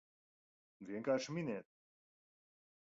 Vienkārši miniet!